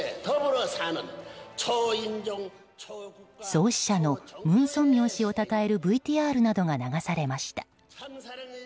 創始者の文鮮明氏をたたえるＶＴＲなどが流されました。